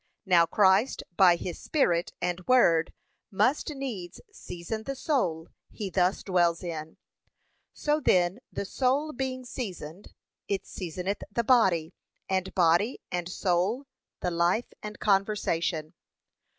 Now Christ by his Spirit and word must needs season the soul he thus dwells in: so then the soul being seasoned, it seasoneth the body; and body and soul, the life and conversation.